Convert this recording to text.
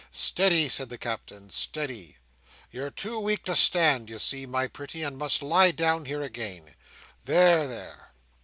"Steady!" said the Captain. "Steady! You're too weak to stand, you see, my pretty, and must lie down here again. There, there!"